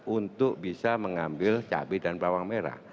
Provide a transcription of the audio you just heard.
untuk bisa mengambil cabai dan bawang merah